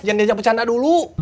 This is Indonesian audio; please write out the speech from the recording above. jangan diajak bercanda dulu